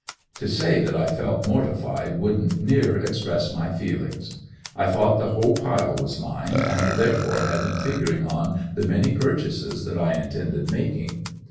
To say that I felt mortified wouldn't near express my feelings. I thought the whole pile was mine and therefore had been figuring on the many purchases that I intended making.